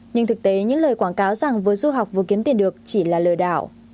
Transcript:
nhưng thực tế những lời quảng cáo rằng vừa du học vừa kiếm tiền được chỉ là lừa đảo